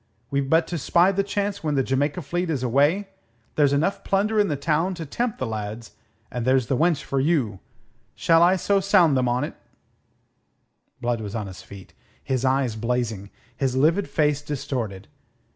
We've but to spy the chance when the Jamaica fleet is away. There's enough plunder in the town to tempt the lads, and there's the wench for you. Shall I sound them on 't?" Blood was on his feet, his eyes blazing, his livid face distorted.